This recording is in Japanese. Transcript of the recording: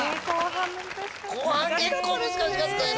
後半結構難しかったよね。